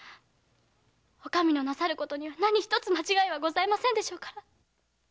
お上のなさることに何ひとつ間違いはないでしょうから。